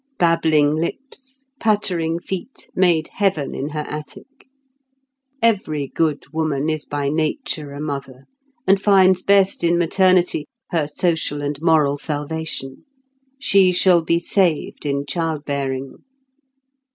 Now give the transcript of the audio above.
Babbling lips, pattering feet, made heaven in her attic. Every good woman is by nature a mother, and finds best in maternity her social and moral salvation. She shall be saved in child bearing.